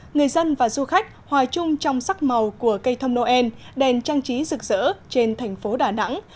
người dân và du khách hòa chung trong sắc màu của cây thông noel đèn trang trí rực rỡ trên thành phố đà nẵng